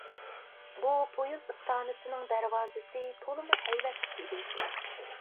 بۇ پويىز ئىستانسىنىڭ دەرۋازىسى تولىمۇ ھەيۋەتلىك ئىدى.